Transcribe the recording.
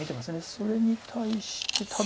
それに対してただ。